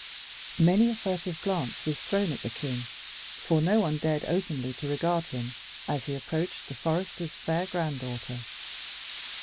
Many a furtive glance was thrown at the king, for no one dared openly to regard him as he approached the forester's fair granddaughter.